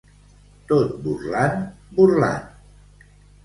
Tot burlant, burlant.